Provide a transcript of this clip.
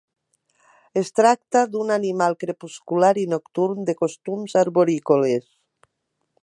Es tracta d'un animal crepuscular i nocturn de costums arborícoles.